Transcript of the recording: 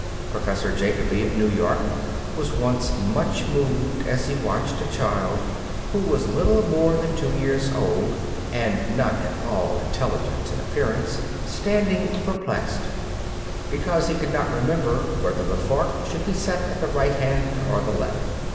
Professor Jacoby, of New York, was once much moved as he watched a child, who was little more than two years old and not at all intelligent in appearance, standing perplexed, because he could not remember whether the fork should be set at the right hand or the left.